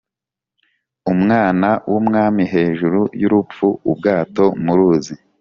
Umwana w'umwami hejuru y'urupfu-Ubwato mu ruzi.